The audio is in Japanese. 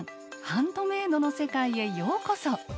ハンドメイドの世界へようこそ！